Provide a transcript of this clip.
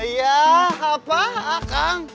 iya apa ah kang